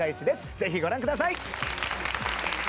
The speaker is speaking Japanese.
ぜひご覧ください。